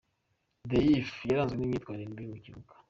Diouf yaranzwe n’imyitwarire mibi mu kibuga.